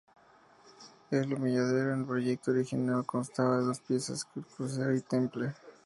El Humilladero en el proyecto original constaba de dos piezas: el crucero y templete.